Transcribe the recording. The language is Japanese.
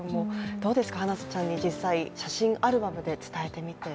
どうですか、はなちゃんに実際に写真アルバムで伝えてみて。